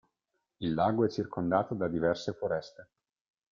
Il lago è circondato da diverse foreste.